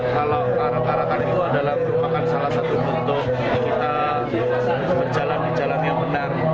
kalau arak arakan itu adalah merupakan salah satu bentuk kita berjalan di jalan yang benar